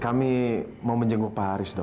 kami mau menjenguk pak haris dong